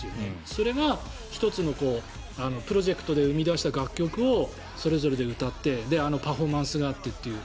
それが１つのプロジェクトで生み出した楽曲をそれぞれで歌ってあのパフォーマンスがあってという。